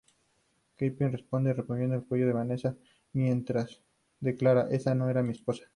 Kingpin responde rompiendo el cuello de Vanessa mientras declara: "Esa no era mi esposa.